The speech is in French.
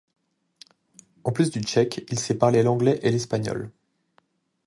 En plus du tchèque, il sait parler l'anglais et l'espagnol.